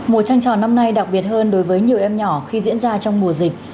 mùa tranh tròn năm nay đặc biệt hơn đối với nhiều em nhỏ khi diễn ra trong mùa dịch